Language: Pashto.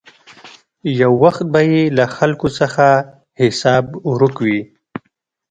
یو وخت به یې له خلکو څخه حساب ورک وي.